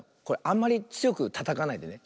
あんまりつよくたたかないでね。